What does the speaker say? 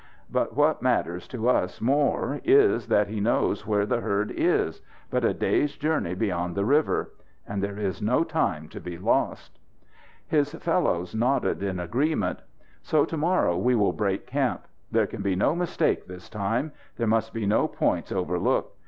But what matters to us more is that he knows where the herd is but a day's journey beyond the river. And there is no time to be lost." His fellows nodded in agreement. "So to morrow we will break camp. There can be no mistake this time. There must be no points overlooked.